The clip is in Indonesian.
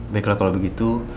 baiklah kalau begitu